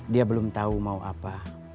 dia belum tahu mau apa